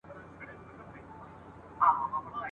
بيا به خپل کي دا دښتونه !.